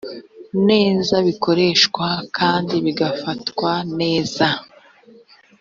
neza bikoreshwa kandi bigafatwa neza